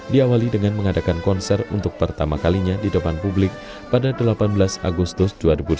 diawali dengan mengadakan konser untuk pertama kalinya di depan publik pada delapan belas agustus dua ribu delapan belas